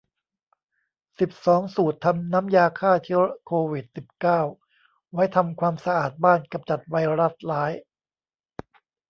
สิบสอง สูตรทำน้ำยาฆ่าเชื้อโควิด สิบเก้า ไว้ทำความสะอาดบ้านกำจัดไวรัสร้าย